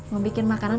mau bikin makanan